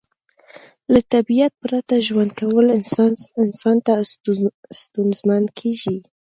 له طبیعت پرته ژوند کول انسان ته ستونزمن کیږي